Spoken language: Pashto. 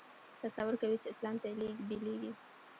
تصور کوي چې اسلام بېلېږي.